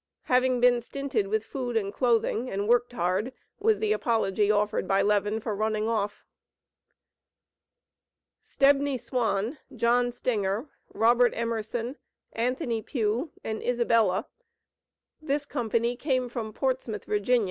Having been stinted with food and clothing and worked hard, was the apology offered by Levin for running off. Stebney Swan, John Stinger, Robert Emerson, Anthony Pugh and Isabella . This company came from Portsmouth, Va.